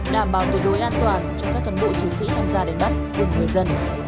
đảm bảo tuyệt đối an toàn cho các cân đội chiến sĩ tham gia đánh bắt cùng người dân